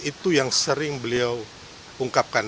itu yang sering beliau ungkapkan